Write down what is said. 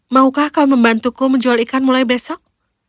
maukah kau membantuku menjual ikan mulai besok